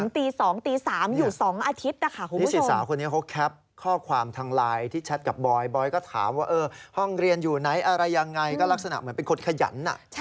ถึงตี๒ตี๓อยู่๒อาทิตย์นะคะคุณผู้ชม